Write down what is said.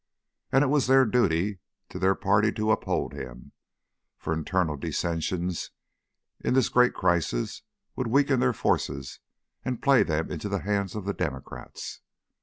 And it was their duty to their party to uphold him, for internal dissensions in this great crisis would weaken their forces and play them into the hands of the Democrats.